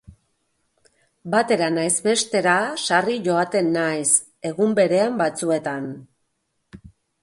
Batera nahiz bestera sarri joaten naiz, egun berean batzuetan.